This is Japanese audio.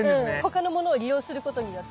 他のものを利用することによって。